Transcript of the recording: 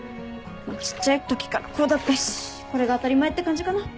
ちっちゃいときからこうだったしこれが当たり前って感じかな。